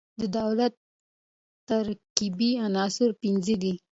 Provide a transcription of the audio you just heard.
د دولت ترکيبي عناصر پنځه دي.